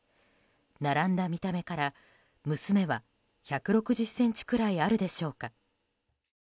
並んだ見た目から、娘は１６０ｃｍぐらいあるでしょうか。